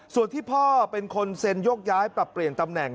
ส่วนที่พ่อเป็นคนเซ็นยกย้ายปรับเปลี่ยนตำแหน่ง